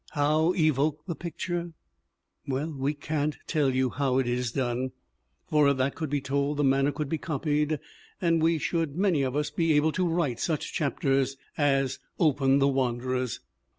How evoke the picture? Well, we can't tell you how it is done, for if that could be told the manner could be copied and we should many of us be able to write such chapters as open The Wanderers.